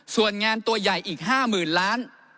ส่วนงานตัวใหญ่อีก๕๐๐๐ล้าน